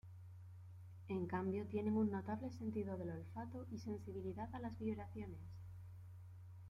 En cambio tienen un notable sentido del olfato y sensibilidad a las vibraciones.